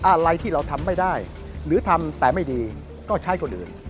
อะไรที่เราทำไม่ได้หรือทำแต่ไม่ดีก็ใช้คนอื่น